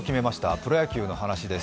プロ野球の話です